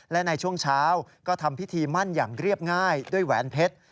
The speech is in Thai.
และในช่วงเช้าก็ทำพิธีมั่นอย่างเรียบง่ายด้วยแหวนเพชร